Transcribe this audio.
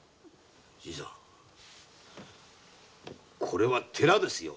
新さんこれは寺ですよ。